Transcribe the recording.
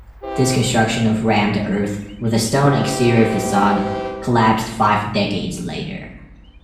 This construction of rammed earth with a stone exterior facade collapsed five decades later.